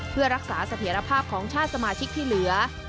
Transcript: เพื่อรักษาเสถียรภาพของชาติสมาชิกที่เหลือ